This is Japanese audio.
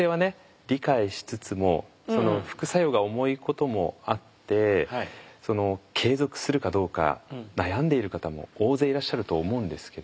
理解しつつも副作用が重いこともあって継続するかどうか悩んでいる方も大勢いらっしゃると思うんですけれども。